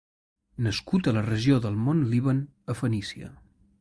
Nascut a la regió del Mont Líban a Fenícia.